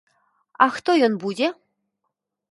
А хто ён будзе?